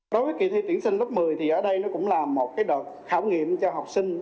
đối với kỳ thi tuyển sinh lớp một mươi thì ở đây nó cũng là một đợt khảo nghiệm cho học sinh